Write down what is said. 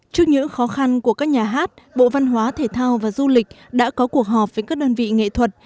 trước những khó khăn của các nhà hát bộ văn hóa thể thao và du lịch đã có cuộc họp với các đơn vị nghệ thuật